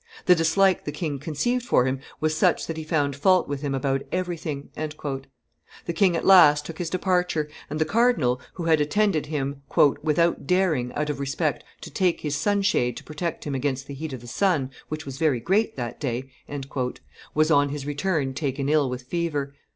The dislike the king conceived for him was such that he found fault with him about everything." The king at last took his departure, and the cardinal, who had attended him "without daring, out of respect, to take his sunshade to protect him against the heat of the sun, which was very great that day," was on his return taken ill with fever.